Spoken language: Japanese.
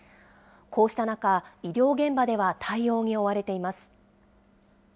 こうした中、医療現場では対応に追われています。